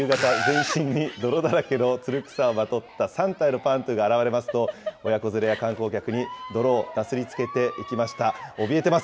夕方、全身に泥だらけのつる草をまとった３体のパーントゥが現れますと、親子連れや観光客に泥をなすりつけていきました。